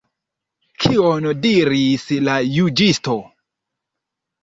Kion diris la juĝisto?